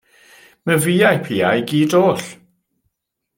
Myfi a'i piau i gyd oll.